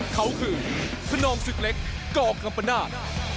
เขาคือคนนองศึกเล็กก่อกัมปนาศ